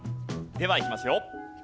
ではいきますよ。